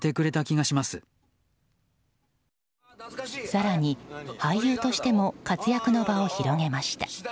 更に俳優としても活躍の場を広げました。